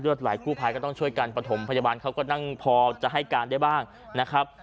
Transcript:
หลายกู้ภัยก็ต้องช่วยกันประถมพยาบาลเขาก็นั่งพอจะให้การได้บ้างนะครับ